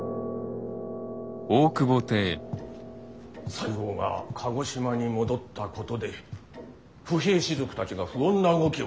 西郷が鹿児島に戻ったことで不平士族たちが不穏な動きをしている。